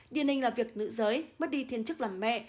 điên hình là việc nữ giới bất đi thiên chức làm mẹ